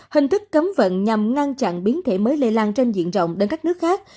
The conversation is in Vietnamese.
hình thức cấm vận nhằm ngăn chặn biến thể mới lây lan trên diện rộng đến các nước khác